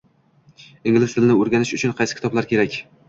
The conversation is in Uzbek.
Ingliz tilini o'rganish uchun qaysi kitoblar kerak?